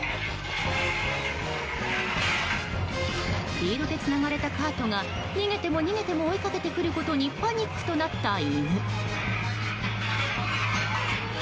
リードでつながれたカートが逃げても逃げても追いかけてくることにパニックとなった犬。